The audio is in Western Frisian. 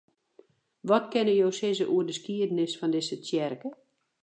Wat kinne jo sizze oer de skiednis fan dizze tsjerke?